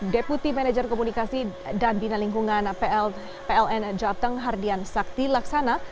deputi manajer komunikasi dan bina lingkungan pln jateng hardian sakti laksana